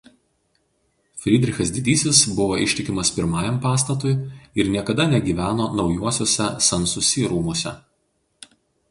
Frydrichas Didysis buvo ištikimas pirmajam pastatui ir niekada negyveno naujuosiuose Sansusi rūmuose.